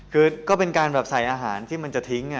ก็เป็นการใส่อาหารที่มันจะทิ้ง